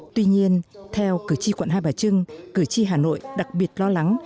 tuy nhiên theo cử tri quận hai bà trưng cử tri hà nội đặc biệt lo lắng